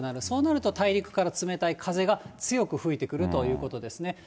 そうなると大陸から冷たい風が強く吹いてくるということですね。